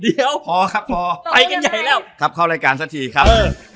เดี๋ยวพอครับพอไปกันใหญ่แล้วครับเข้ารายการสักทีครับเออ